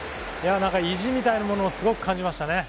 意地みたいなものを感じました。